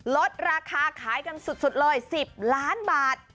ลดราคาขายกันสุดเลย๑๐ล้านบาท